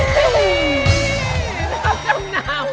รับจำนำ